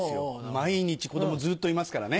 毎日子供ずっといますからね。